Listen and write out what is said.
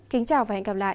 kính chào và hẹn gặp lại